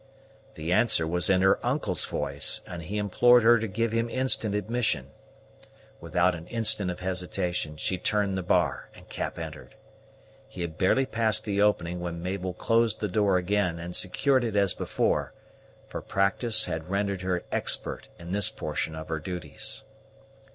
The answer was in her uncle's voice, and he implored her to give him instant admission. Without an instant of hesitation, she turned the bar, and Cap entered. He had barely passed the opening, when Mabel closed the door again, and secured it as before, for practice had rendered her expert in this portion of her duties.